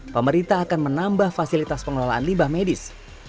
pemerintah akan menambah fasilitas pengelolaan limbah medis